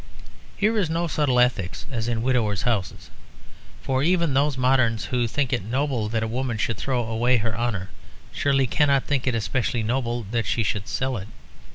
Here is no subtle ethics, as in Widowers' Houses; for even those moderns who think it noble that a woman should throw away her honour, surely cannot think it especially noble that she should sell it.